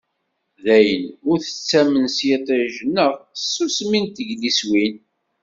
Dayen, ur tettamen s yiṭij neɣ s tsusmi n tegliswin.